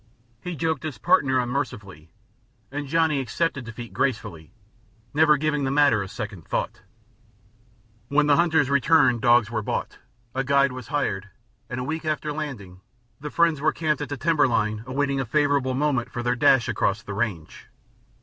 He joked his partner unmercifully, and Johnny accepted defeat gracefully, never giving the matter a second thought. When the hunters returned, dogs were bought, a guide was hired, and, a week after landing, the friends were camped at timber line awaiting a favorable moment for their dash across the range.